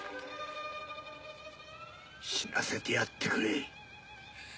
死なせてやってくれ。